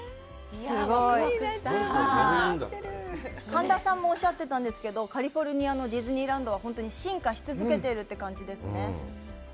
神田さんもおっしゃってたんですけど、カリフォルニアのディズニーランドは本当に進化し続けているという感じですね。